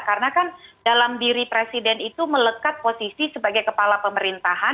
karena kan dalam diri presiden itu melekat posisi sebagai kepala pemerintahan